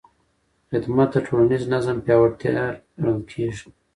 خدمت د ټولنیز نظم پیاوړتیا ګڼل کېږي.